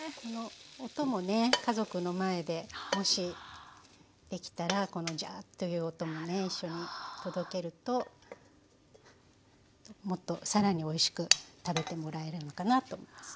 音もね家族の前でもしできたらこのジャーッという音もね一緒に届けるともっとさらにおいしく食べてもらえるのかなと思います。